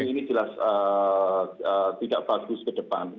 ini jelas tidak bagus ke depan